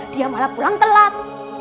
dia malah pulang telat